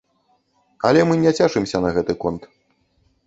Але мы не цешымся на гэты конт.